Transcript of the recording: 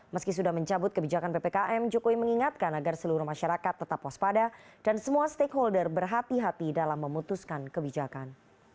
meski sudah mencabut kebijakan ppkm jokowi mengingatkan agar seluruh masyarakat tetap waspada dan semua stakeholder berhati hati dalam memutuskan kebijakan